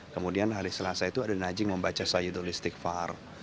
kemudian hari selasa itu ada naji membaca sayyidul istighfar